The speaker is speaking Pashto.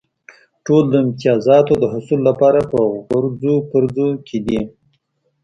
ټول د امتیازاتو د حصول لپاره په غورځو پرځو کې دي.